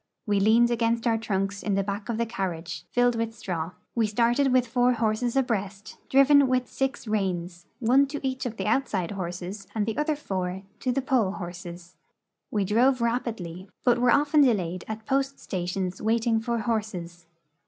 We leaned against our trunks in the back of the carriage, filled with straw. We started with four horses abreast, dilven with six reins, one to each of the outside horses and the other four to the pole horses. We drove rapidly, but were often delayed at post stations waiting for horses.